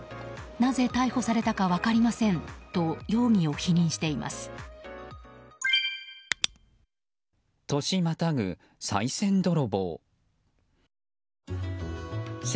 なぜ逮捕されたか分かりませんと容疑を否認しています。